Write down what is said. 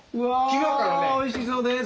うわおいしそうです！